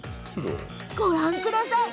ご覧ください。